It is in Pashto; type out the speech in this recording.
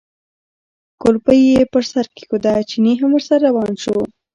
کولپۍ یې پر سر کېښوده، چيني هم ورسره روان شو.